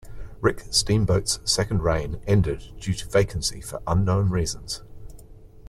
Rick Steamboat's second reign ended due to vacancy for unknown reasons.